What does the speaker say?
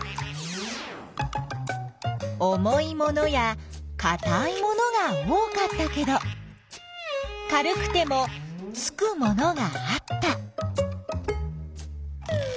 重いものやかたいものが多かったけど軽くてもつくものがあった。